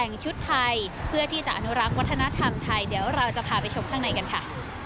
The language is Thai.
กลับข้างในกันค่ะ